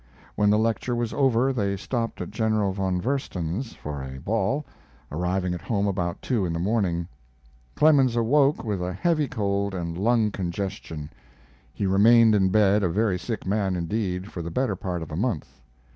When the lecture was over they stopped at General von Versen's for a ball, arriving at home about two in the morning. Clemens awoke with a heavy cold and lung congestion. He remained in bed, a very sick man indeed, for the better part of a month.